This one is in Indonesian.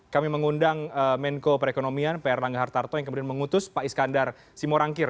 kami mengundang menko perekonomian pr langga hartarto yang kemudian mengutus pak iskandar simorangkir